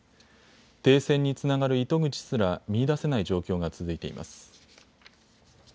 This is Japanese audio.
停戦につながる糸口すら見いだせない状況が続いています。